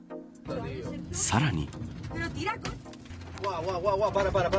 さらに。